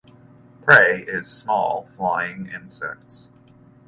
Prey is small flying insects.